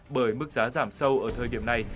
bởi mức giá giảm sâu ở thời điểm này